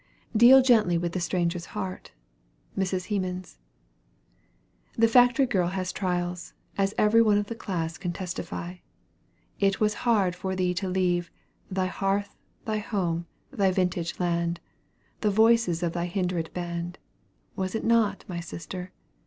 "Deal gently with the stranger's heart." MRS. HEMANS. The factory girl has trials, as every one of the class can testify. It was hard for thee to leave "Thy hearth, thy home, thy vintage land. The voices of thy hindred band," was it not, my sister?